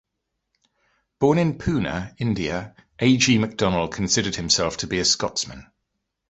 Born in Poona, India, A. G. Macdonell considered himself to be a Scotsman.